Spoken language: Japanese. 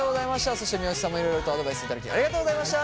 そして三好さんもいろいろとアドバイスいただきありがとうございました。